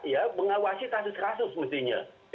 ya mengawasi kasus kasus mestinya